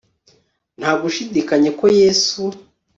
nta gushidikanya ko yesu